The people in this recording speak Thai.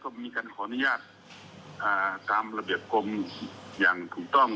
ก็มีการขออนุญาตตามระเบียบกรมอย่างถูกต้อง